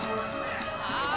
ああ！